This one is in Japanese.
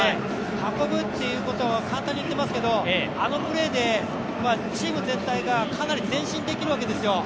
運ぶっていうことを簡単に言っていますけどあのプレーでチーム全体がかなり前進できるわけですよ。